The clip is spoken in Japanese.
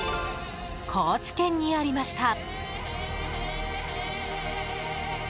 高知県にありました。